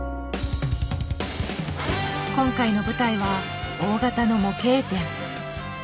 今回の舞台は大型の模型店。